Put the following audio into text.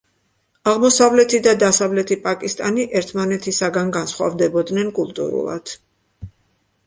აღმოსავლეთი და დასავლეთი პაკისტანი ერთმანეთისაგან განსხვავდებოდნენ კულტურულად.